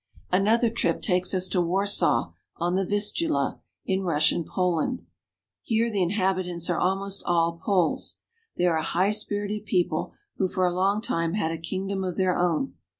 Another trip takes us to Warsaw, on the Vistula, in Rus sian Poland. Here the inhabitants are almost all Poles. They are a high spirited people who for a long time had a kingdom of their own.